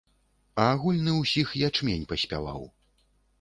А агульны ўсіх ячмень паспяваў!